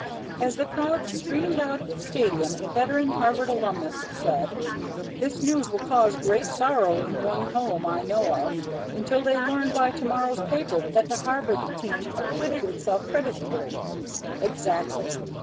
As the crowd streamed out of the Stadium, a veteran Harvard alumnus said: "This news will cause great sorrow in one home I know of, until they learn by to morrow's papers that the Harvard team acquitted itself creditably." Exactly.